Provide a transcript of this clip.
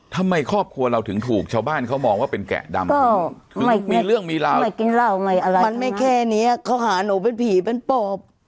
ทำไมครอบครัวเราถึงถูกชาวบ้านเขามองว่าเป็นแกะดำมีเรื่องมีราวมันไม่แค่เนี้ยเขาหาหนูเป็นผีเป็นปลอบ